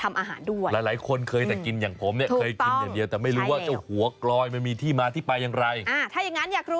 อาหารแบบพื้นบ้านโบราณที่คนในสำหรับกลอยเป็นอาหาร